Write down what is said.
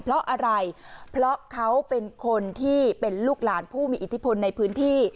เพราะอะไรเพราะเขาเป็นคนที่เป็นลูกหลานผู้มีอิทธิพลในพื้นที่